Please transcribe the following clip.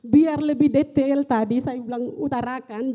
biar lebih detail tadi saya bilang utarakan